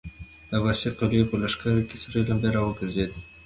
د عباس قلي په لښکر کې سرې لمبې را وګرځېدې.